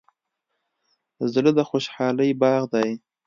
زړه د خوشحالۍ باغ دی.